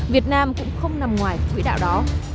việt nam cũng không nằm ngoài quỹ đạo đó